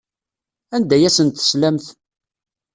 Anda ay asent-teslamt?